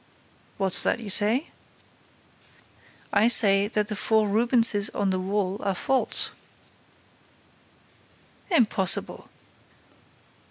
"What's that you say?" "I say that the four Rubenses on that wall are false." "Impossible!"